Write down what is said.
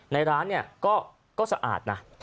ในร้านเนี่ยก็สะอาดนะ